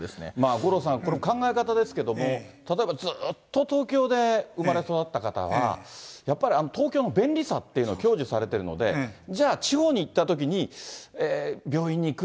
五郎さん、考え方ですけれども、例えばずっと東京で生まれ育った方は、やっぱり、東京の便利さというのを享受されてるので、じゃあ、地方に行ったときに、病院に行く？